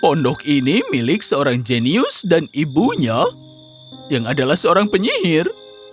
pondok ini milik seorang jenius dan ibunya yang adalah seorang penyihir